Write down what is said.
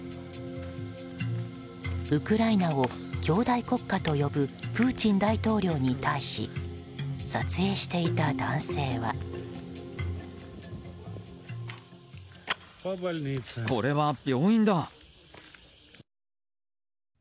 ウクライナを兄弟国家と呼ぶプーチン大統領に対し撮影していた男性は。